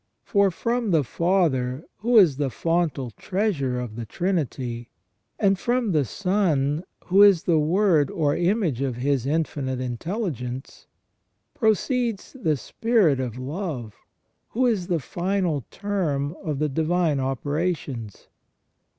For from the Father, who is the fontal treasure of the Trinity, and from the Son, who is the Word or image of His infinite intelligence, proceeds the Spirit of love, who is the final term of the divine operations.